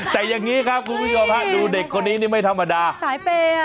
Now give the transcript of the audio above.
แต่อย่างนี้ครับคุณผู้ชมฮะดูเด็กคนนี้นี่ไม่ธรรมดาสายเปย์อ่ะ